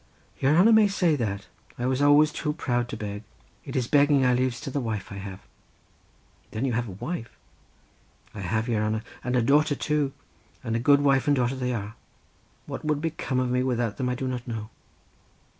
"Your hanner may say that; I was always too proud to beg. It is begging I laves to the wife I have." "Then you have a wife?" "I have, your hanner; and a daughter, too; and a good wife and daughter they are. What would become of me without them I do not know."